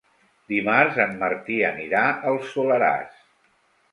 Dimarts en Martí anirà al Soleràs.